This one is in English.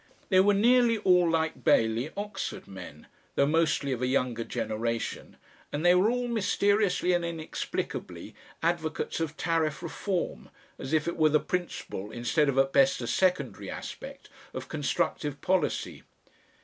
They were nearly all like Bailey Oxford men, though mostly of a younger generation, and they were all mysteriously and inexplicably advocates of Tariff Reform, as if it were the principal instead of at best a secondary aspect of constructive policy.